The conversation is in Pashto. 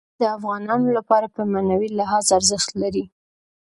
مېوې د افغانانو لپاره په معنوي لحاظ ارزښت لري.